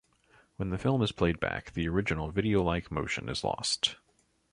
When the film is played back, the original video-like motion is lost.